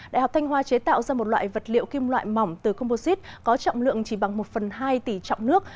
đại học thanh hoa chế tạo ra một loại vật liệu kim loại mỏng từ composite có trọng lượng chỉ bằng một phần hai tỷ trọng nước